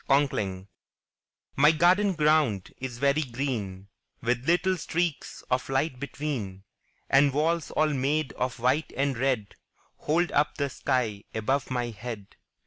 Conkling My garden ground is very green, With little streaks of light between, And walls all made of white and red Hold up the sky above my head.